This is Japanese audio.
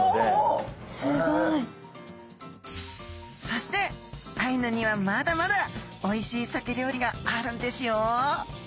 そしてアイヌにはまだまだおいしいサケ料理があるんですよ！